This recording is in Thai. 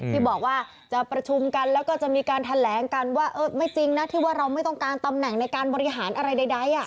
ที่บอกว่าจะประชุมกันแล้วก็จะมีการแถลงกันว่าไม่จริงนะที่ว่าเราไม่ต้องการตำแหน่งในการบริหารอะไรใด